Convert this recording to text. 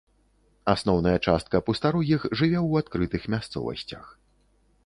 Асноўная частка пустарогіх жыве ў адкрытых мясцовасцях.